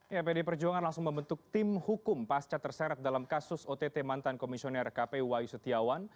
ya pd perjuangan langsung membentuk tim hukum pasca terseret dalam kasus ott mantan komisioner kp wayu setiawan